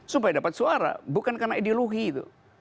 supaya dapat suara bukan karena ideologi itu